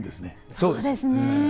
そうですね。